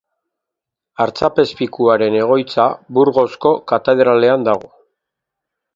Artzapezpikuaren egoitza Burgosko katedralean dago.